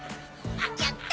やった！